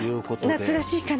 夏らしいかなと。